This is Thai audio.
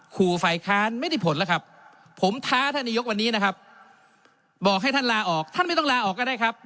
ขู่ฝ่ายค้านไม่ได้ผลแล้วครับผมท้าท่านนายกวันนี้นะครับบอกให้ท่านลาออกท่านไม่ต้องลาออกก็ได้ครับ